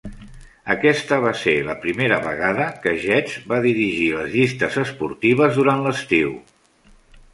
Aquesta va ser la primera vegada que Jetz va dirigir les llistes esportives durant l'estiu.